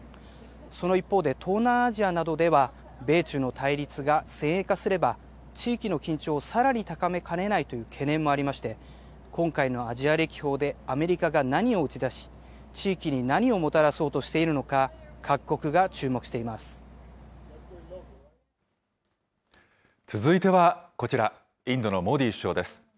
その一方で、東南アジアなどでは米中の対立が先鋭化すれば、地域の緊張をさらに高めかねないという懸念もありまして、今回のアジア歴訪でアメリカが何を打ち出し、地域に何をもたらそうとしている続いてはこちら、インドのモディ首相です。